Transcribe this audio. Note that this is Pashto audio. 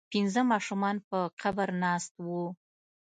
پنځه ماشومان په قبر ناست وو.